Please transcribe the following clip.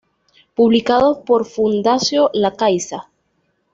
Publicado por Fundació La Caixa.